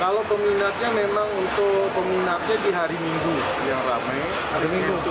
kalau peminatnya memang untuk peminatnya di hari minggu yang ramai